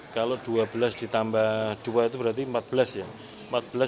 kalau dua belas ditambah dua itu berarti empat belas ya